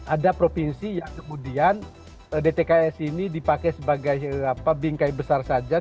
ada provinsi yang kemudian dtks ini dipakai sebagai bingkai besar saja